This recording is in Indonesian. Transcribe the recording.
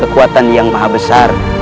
kekuatan yang maha besar